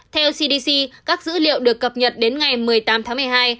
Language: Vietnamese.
theo cdc các dữ liệu được cập nhật đến ngày một mươi tám tháng một mươi hai